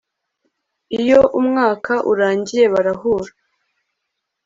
iyo umwaka urangiye barahura